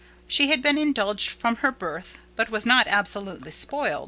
She had been indulged from her birth, but was not absolutely spoilt.